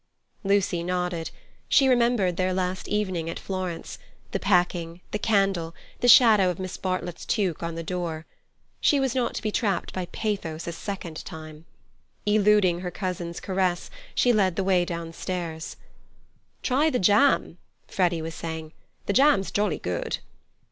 Lucy nodded. She remembered their last evening at Florence—the packing, the candle, the shadow of Miss Bartlett's toque on the door. She was not to be trapped by pathos a second time. Eluding her cousin's caress, she led the way downstairs. "Try the jam," Freddy was saying. "The jam's jolly good."